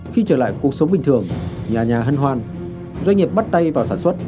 khi trở lại cuộc sống bình thường nhà nhà hân hoan doanh nghiệp bắt tay vào sản xuất